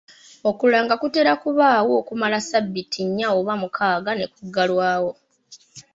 Okulanga kutera kubaawo okumala sabbiiti nnya oba mukaaga ne kuggalwawo.